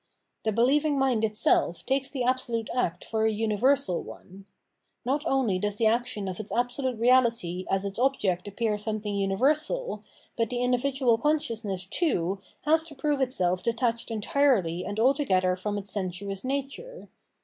The be lieving mind itself takes the absolute act for a universal one. Not only does the action of its absolute Reality VOL. II.— M 578 Phenomenology of Mind as its object appear sometMng universal, but the individual consciousness, too, has to prove itself de tached entirely and altogether from its sensuous nature.